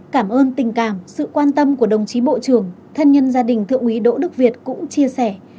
cảm ơn tình cảm sự quan tâm của đồng chí bộ trưởng thân nhân gia đình thượng úy đỗ đức việt cũng chia sẻ